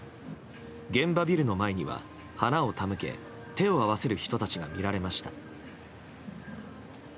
現場ビルの前には、花を手向け手を合わせる人たちが見られました。